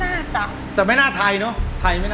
น่าจะแต่ไม่น่าไทยเนาะ